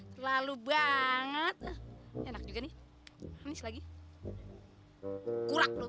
terlalu banget enak juga nih manis lagi kurak lu